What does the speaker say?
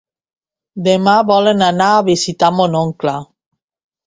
Demà volen anar a visitar mon oncle.